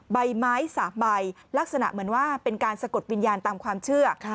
ใบไม้๓ใบลักษณะเหมือนว่าเป็นการสะกดวิญญาณตามความเชื่อ